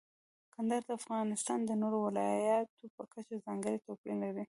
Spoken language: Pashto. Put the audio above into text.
کندهار د افغانستان د نورو ولایاتو په کچه ځانګړی توپیر لري.